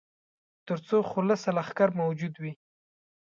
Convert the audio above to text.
تر څو خلصه لښکر موجود وي.